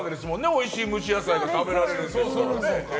おいしい蒸し野菜が食べられるんですから。